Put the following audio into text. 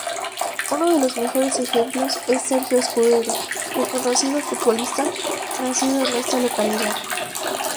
Uno de los mejores ejemplos es Sergio Escudero, reconocido futbolista nacido en esta localidad.